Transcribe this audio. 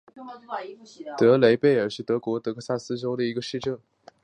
德雷贝尔是德国下萨克森州的一个市镇。